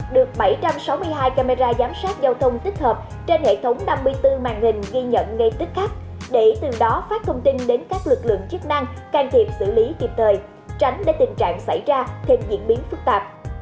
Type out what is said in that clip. được bảy trăm sáu mươi hai camera giám sát giao thông tích hợp trên hệ thống năm mươi bốn màn hình ghi nhận ngay tích khách để từ đó phát thông tin đến các lực lượng chức năng can thiệp xử lý kịp thời tránh để tình trạng xảy ra thêm diễn biến phức tạp